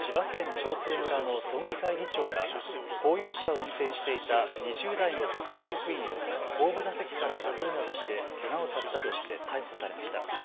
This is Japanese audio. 長生村の村議会議長が公用車を運転していた２０代の女性職員を後部座席から殴るなどしてけがをさせたとして逮捕されました。